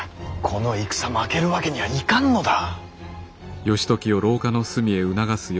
この戦負けるわけにはいかんのだ。